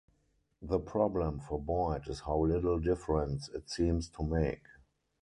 The problem for Boyd is how little difference it seems to make.